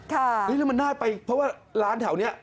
แล้วมันน่าไปเพราะว่าร้านแถวนี้